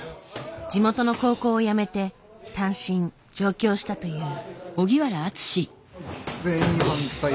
地元の高校をやめて単身上京したという。